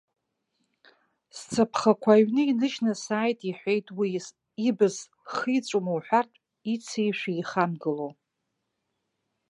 Сцаԥхақәа аҩны иныжьны сааит, ихәеит уи, ибыз хиҵәома уҳәартә ицишә еихамгыло.